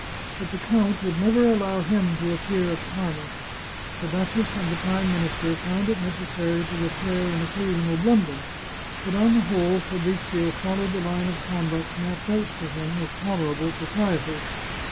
But the count would never allow him to appear at Parma. The duchess and the Prime Minister found it necessary to re pair an occasional blunder, but on the whole Fabrizio fol lowed the line of conduct mapped out for him with toler able propriety.